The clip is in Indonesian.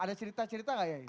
ada cerita cerita gak yai